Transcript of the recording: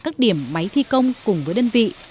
các điểm máy thi công cùng với đơn vị